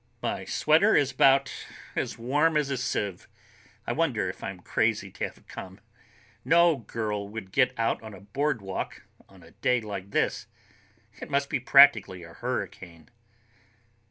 My sweater is about as warm as a sieve. I wonder if I'm crazy to have come. No girl would get out on a boardwalk on a day like this. It must be practically a hurricane.